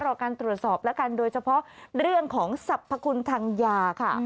รอการตรวจสอบแล้วกันโดยเฉพาะเรื่องของสรรพคุณทางยาค่ะ